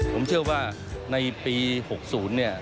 ผมเชื่อว่าในปี๖๐เนี่ย